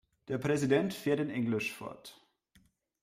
Der Präsident fährt in Englisch fort.